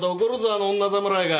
あの女侍が。